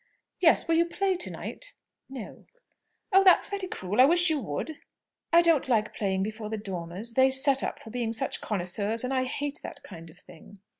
"Yes; will you play to night?" "No." "Oh, that's very cruel! I wish you would!" "I don't like playing before the Dormers. They set up for being such connoisseurs, and I hate that kind of thing."